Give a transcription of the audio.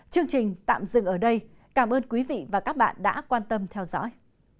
chương trình tạm dừng ở đây cảm ơn quý vị và các bạn đã quan tâm theo dõi